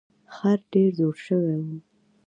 خر ډیر زوړ شوی و.